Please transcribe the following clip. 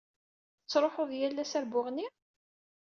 Tettṛuḥuḍ yal ass ɣer Buɣni?